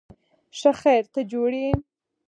ښه خیر، ته جوړ یې؟